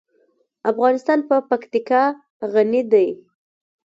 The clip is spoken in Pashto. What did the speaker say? افغانستان په پکتیکا غني دی.